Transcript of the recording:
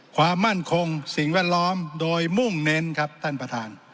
ความมั่นคงสิ่งแวดล้อมโดยมุ่งเน้นครับท่านประธาน